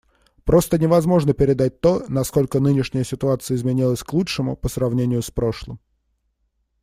Просто невозможно передать то, насколько нынешняя ситуация изменилась к лучшему, по сравнению с прошлым.